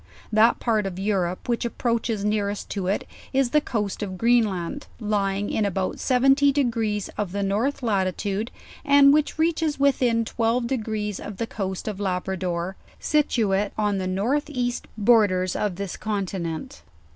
That part of Eurrope which approaches nearest to it, is the coast of Greenland, lying in about seventy degrees of the north latitude; and which reaches within twelve de grees of the coast of Labrador, situate on the north east bor LEWIS AND CIARKE. 171 tiers of this continent.